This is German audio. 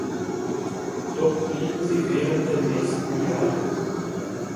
Dort blieben sie während der nächsten Jahre.